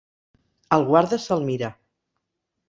El guarda se'l mira.